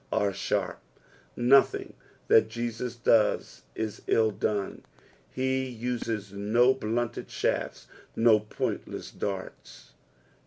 "Are tharp." Kothinf; th&t Jesus does is ill done, he uses no blunted shafts, no pointless darts.